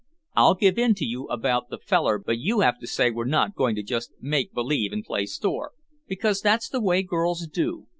I'll give in to you about that feller but you have to say we're not going to just make believe and play store, because that's the way girls do.